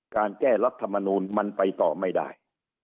การแก้รัฐมนูลมันไปต่อไม่ได้